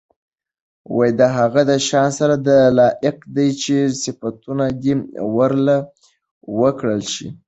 د هغه د شان سره دا لائق دي چې صفتونه دي ورله وکړل شي